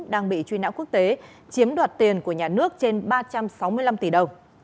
đang bị truy nã quốc tế chiếm đoạt tiền của nhà nước trên ba trăm sáu mươi năm tỷ đồng